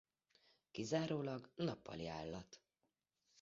Kizárólag nappali állat.